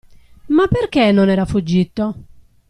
Ma perché non era fuggito?